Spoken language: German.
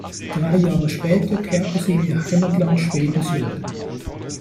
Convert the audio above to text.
Drei Jahre später kehrte sie in ihr Heimatland Schweden zurück.